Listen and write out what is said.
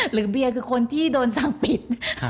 หรือเบียนคือคนที่โดนสั่งผิด